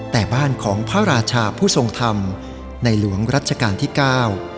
แต่บ้านของพระราชาผู้ทรงธรรมในหลวงรัชกาลที่เก้า